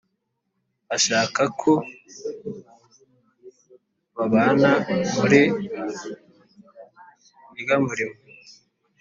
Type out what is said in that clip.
ashaka ko babana muri urya murimo.